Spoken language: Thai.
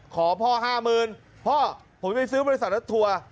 ขอพ่อ๕๐๐๐๐บาทพ่อผมจะไปซื้อบริษัทรัศน์ทัวร์